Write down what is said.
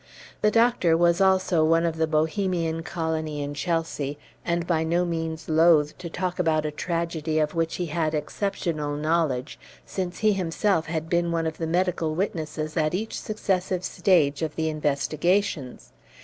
The doctor was also one of the Bohemian colony in Chelsea, and by no means loath to talk about a tragedy of which he had exceptional knowledge, since he himself had been one of the medical witnesses at each successive stage of the investigations.